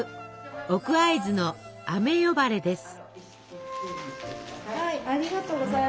奥会津の「あめ呼ばれ」です。